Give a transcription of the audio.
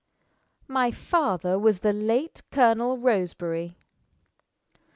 "My father was the late Colonel Roseberry."